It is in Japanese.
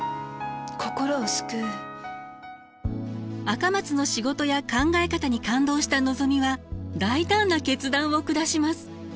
赤松の仕事や考え方に感動したのぞみは大胆な決断を下します。